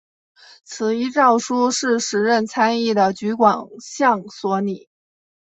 此一诏书是时任参议的橘广相所拟。